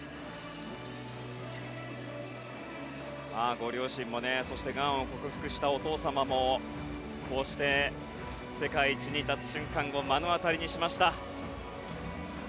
ご両親もそして、がんを克服したお父様もこうして世界一に立つ瞬間を目の当たりにしました。